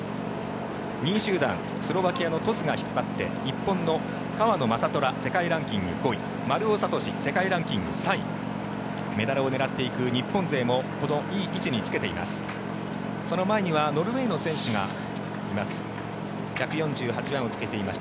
２位集団スロバキアのトスが引っ張って日本の川野将虎世界ランキング５位丸尾知司、世界ランキング３位メダルを狙っていく日本勢もこのいい位置につけています。